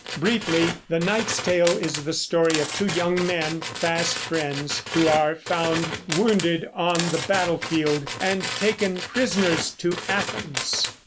Briefly, the "Knight's Tale" is the story of two young men, fast friends, who are found wounded on the battlefield and taken prisoners to Athens.